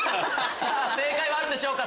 正解はあるんでしょうか？